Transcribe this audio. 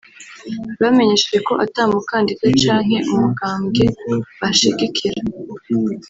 Bamenyesheje ko ata mukandida canke umugambwe bashigikira